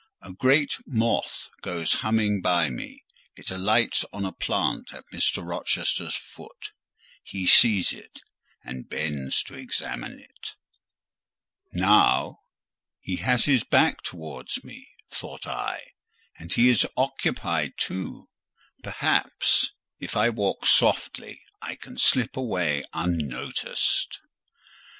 A great moth goes humming by me; it alights on a plant at Mr. Rochester's foot: he sees it, and bends to examine it. "Now, he has his back towards me," thought I, "and he is occupied too; perhaps, if I walk softly, I can slip away unnoticed."